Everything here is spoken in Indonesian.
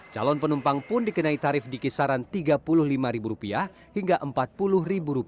calon penumpang pun dikenai tarif di kisaran rp tiga puluh lima hingga rp empat puluh